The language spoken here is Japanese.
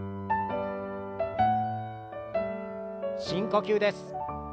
深呼吸です。